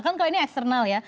kan kalau ini eksternal ya